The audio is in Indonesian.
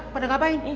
ini berdua ngapain